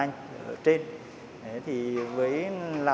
thì tình hình